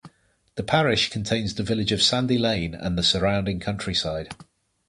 The parish contains the village of Sandy Lane and the surrounding countryside.